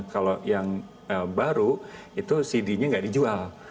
kalau yang baru itu cd nya nggak dijual